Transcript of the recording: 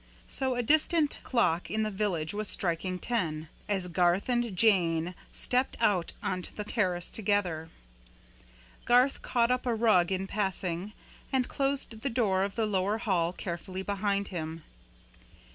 So a distant clock in the village was striking ten, as Garth and Jane stepped out on to the terrace together. Garth caught up a rug in passing, and closed the door of the lower hall carefully behind him.